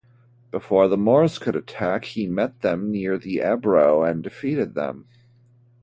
Before the Moors could attack, he met them near the Ebro and defeated them.